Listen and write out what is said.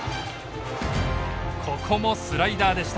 ここもスライダーでした。